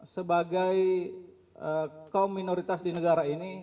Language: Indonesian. sebagai kaum minoritas di negara ini